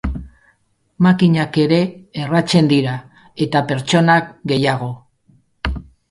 Makinak ere erratzen dira, eta pertsonak gehiago.